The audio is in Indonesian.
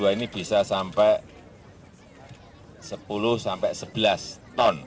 ini bisa sampai sepuluh sebelas ton